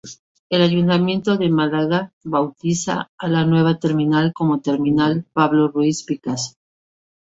El ayuntamiento de Málaga bautiza a la nueva terminal como terminal Pablo Ruiz Picasso.